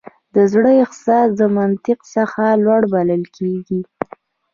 د زړه احساس د منطق څخه لوړ بلل کېږي.